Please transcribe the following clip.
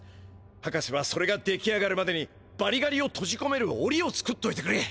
はかせはそれが出来上がるまでにバリガリをとじこめるオリを作っといてくれ。